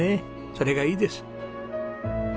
それがいいです！